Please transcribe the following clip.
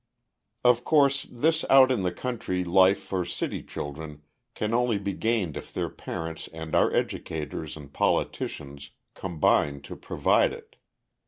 Of course this out in the country life for city children can only be gained if their parents and our educators and politicians combine to provide it.